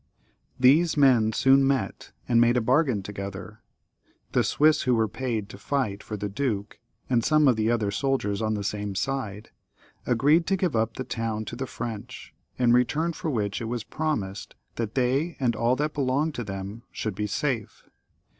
These men soon met and made a bargain together ; the Swiss who were paid to fight for the duke, and some of the other soldiers on the same side, agreed to give up the town to the French, in return for which it was promised that they and aU that belonged to them should be safe.